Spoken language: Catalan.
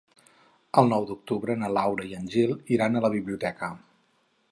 El nou d'octubre na Laura i en Gil iran a la biblioteca.